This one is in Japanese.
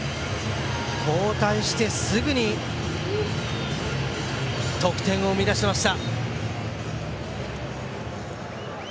交代してすぐに得点を生み出しました。